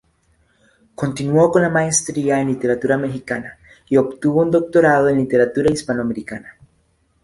Continuó con la maestría en literatura mexicana y obtuvo un doctorado en literatura hispanoamericana.